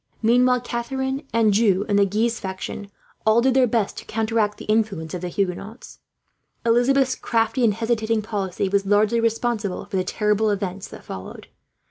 Meanwhile Catharine, Anjou and the Guise faction all did their best to counteract the influence of the Huguenots. Elizabeth's crafty and hesitating policy was largely responsible for the terrible events that followed.